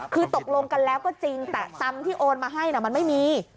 คือตกลงกันแล้วก็จริงแต่ตังค์ที่โอนมาให้มันไม่มี